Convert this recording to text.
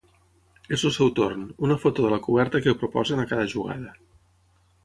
És el seu torn, una foto de la coberta que proposen a cada jugada.